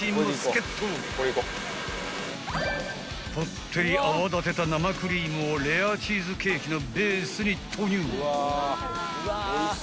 ［ぽってり泡立てた生クリームをレアチーズケーキのベースに投入］